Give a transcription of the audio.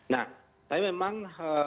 nah tapi memang